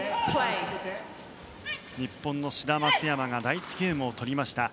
日本の志田、松山が第１ゲームを取りました。